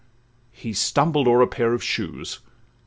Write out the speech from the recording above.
he stumbled o'er a pair of shoes.